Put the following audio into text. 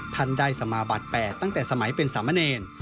ท่านได้สมาบัตร๘ตั้งแต่สมัยเป็นสามเณร